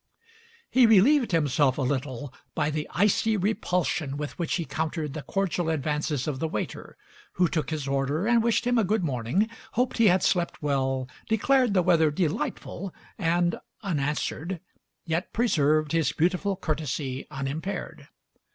He relieved himself a little by the icy repulsion with which he countered the cordial advances of the waiter, who took his order and wished him a good morning, hoped he had slept well, declared the weather delightful and, unanswered, yet preserved his beautiful courtesy unimpaired.